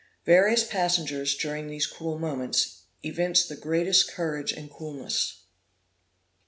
Various passengers, during these cruel moments, evinced the greatest courage and coolness.